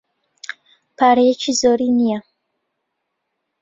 پارەیەکی زۆری نییە.